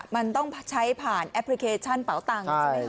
มันต้องใช้ผ่านแอปพลิเคชันเป๋าตังค์ใช่ไหมคะ